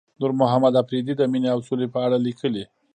نورمحمد اپريدي د مينې او سولې په اړه ليکلي.